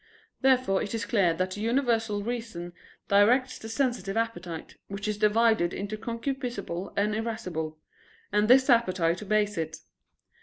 Therefore it is clear that the universal reason directs the sensitive appetite, which is divided into concupiscible and irascible; and this appetite obeys it.